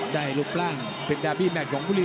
ได้รูปร่าง